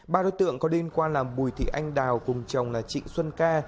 ba đối tượng có liên quan là bùi thị anh đào cùng chồng là trịnh xuân ca